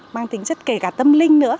mang tính chất kể cả tâm lý